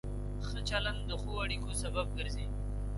ښه چلند د ښو اړیکو سبب ګرځي.